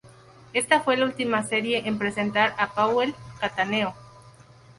Esta fue la ultima serie en presentar a Paweł Cattaneo.